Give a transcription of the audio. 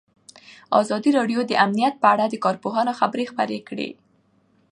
ازادي راډیو د امنیت په اړه د کارپوهانو خبرې خپرې کړي.